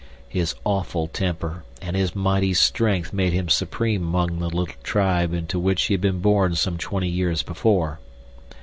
His awful temper and his mighty strength made him supreme among the little tribe into which he had been born some twenty years before.